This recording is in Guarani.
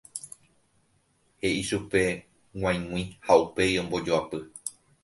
e'i upe g̃uaig̃ui ha upéi ombojoapy